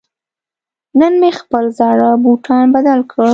نن مې خپل زاړه بوټان بدل کړل.